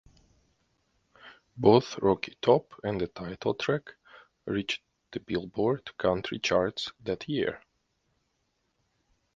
Both "Rocky Top" and the title track reached the "Billboard" country charts that year.